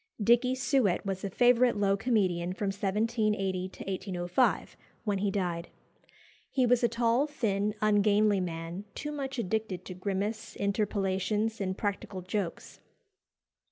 Dickey Suett was a favourite low comedian from 1780 to 1805, when he died. He was a tall, thin, ungainly man, too much addicted to grimace, interpolations, and practical jokes.